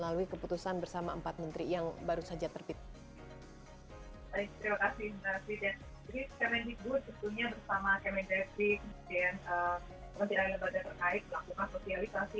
kemeng ibu tentunya bersama kemeng dastri kemudian menteri alam badan terkait melakukan sosialisasi